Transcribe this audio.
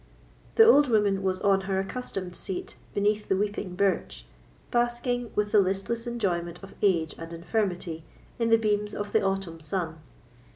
The old woman was on her accustomed seat beneath the weeping birch, basking, with the listless enjoyment of age and infirmity, in the beams of the autumn sun.